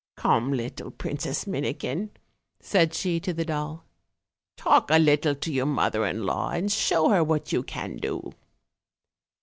Come, little Princess Minikin," said she to the doll, "talk a little to your mother in >aw, and show her what you can do."